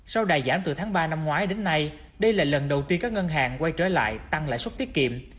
sau đài giảm từ tháng ba năm ngoái đến nay đây là lần đầu tiên các ngân hàng quay trở lại tăng lãi suất tiết kiệm